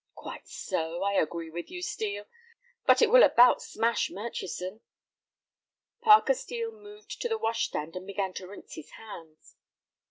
"Quite so; I agree with you, Steel. But it will about smash Murchison." Parker Steel moved to the wash stand and began to rinse his hands.